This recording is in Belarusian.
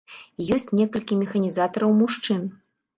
І ёсць некалькі механізатараў мужчын.